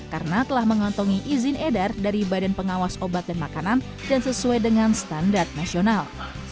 karena telah mengontongi izin edar dari badan pengawas obat dan makanan dan sesuai dengan standar nasional